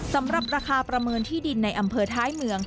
สำหรับราคาประเมินที่ดินในอำเภอท้ายเมือง